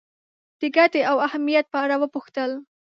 د ګټې او اهمیت په اړه وپوښتل.